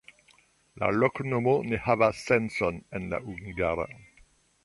La loknomo ne havas sencon en la hungara.